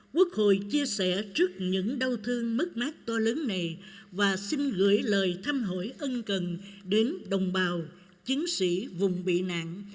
quốc hội chia sẻ trước những đau thương mất mát to lớn này và xin gửi lời thăm hỏi ân cần đến đồng bào chiến sĩ vùng bị nạn